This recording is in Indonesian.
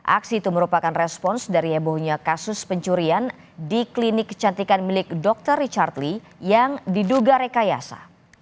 aksi itu merupakan respons dari hebohnya kasus pencurian di klinik kecantikan milik dr richard lee yang diduga rekayasa